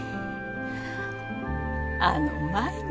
あの舞が。